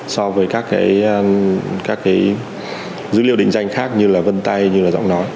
so với các cái dữ liệu định danh khác như là vân tay như là giọng nói